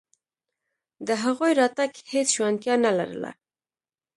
د هغوی راتګ هېڅ شونتیا نه لرله.